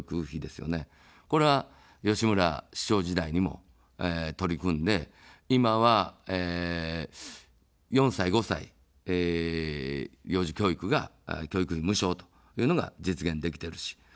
これは、吉村市長時代にも取り組んで、今は、４歳、５歳、幼児教育が教育費無償というのが実現できてるし。